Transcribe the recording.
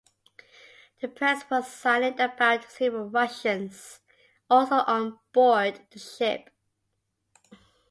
The press was silent about several Russians also on board the ship.